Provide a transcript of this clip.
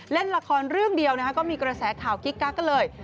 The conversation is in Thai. เล่นละครเรื่องเดียวนะคะก็มีกระแสข่าวกิ๊กกักกันเลย